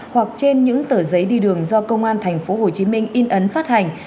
hoặc trên những tờ giấy đi đường do công an thành phố hồ chí minh in ấn phát hành